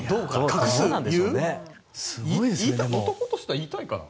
男としては言いたいかな？